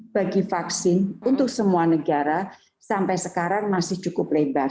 bagi vaksin untuk semua negara sampai sekarang masih cukup lebar